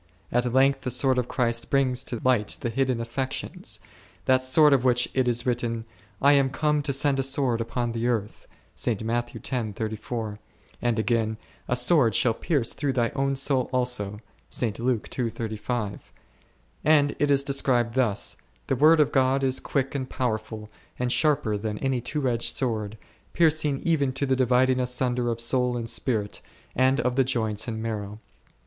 At length the sword of Christ brings to light the hidden affections ; that sword of which it is written, / am come to send a sword upon the earth b , and again, A sword shall pierce through thy own soul also c ; and it is described thus : The Word of God is quick and b St. Matt. x. 34. c st. Luke ii. 35. o o powerful, and sharper than any two edged sword, pierc ing even to the dividing asunder of soul and spirit, and of the joints and marrow^.